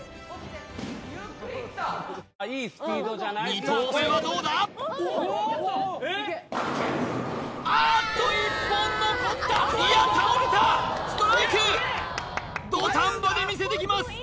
２投目はどうだあっと１本残ったいや倒れたストライク土壇場で見せてきます